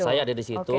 saya ada di situ